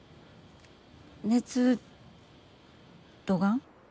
熱どがん？